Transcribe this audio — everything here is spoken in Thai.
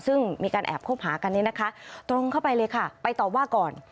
ซึ่งมีการแอบคบหากันนี้นะคะตรงเข้าไปเลยค่ะไปต่อว่าก่อน